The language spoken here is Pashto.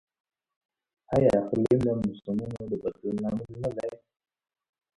آیا اقلیم د موسمونو د بدلون لامل نه دی؟